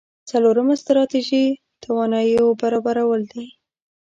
څلورمه ستراتيژي تواناییو برابرول دي.